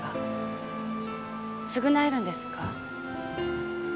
償えるんですか？